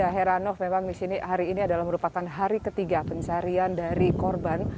ya heranov memang di sini hari ini adalah merupakan hari ketiga pencarian dari korban